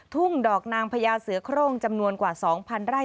ทุ่งดอกนางพญาเสือโครงจำนวนกว่า๒๐๐ไร่